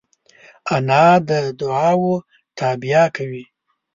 انا د دعاوو تابیا کوي